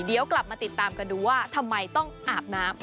เดี๋ยวกลับมาติดตามกันดูว่าทำไมต้องอาบน้ำ